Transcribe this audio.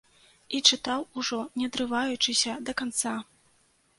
І чытаў ужо, не адрываючыся, да канца.